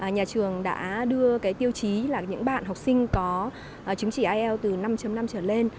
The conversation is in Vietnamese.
nhà trường đã đưa cái tiêu chí là những bạn học sinh có chứng chỉ ielts từ năm năm trở lên